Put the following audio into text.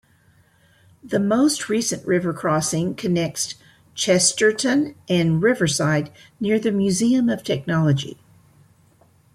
The most recent river crossing connects Chesterton and Riverside near the Museum of Technology.